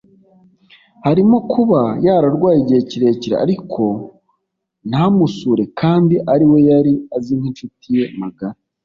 harimo kuba yararwaye igihe kirekire ariko ntamusure kandi ari we yari azi nk’inshuti ye magara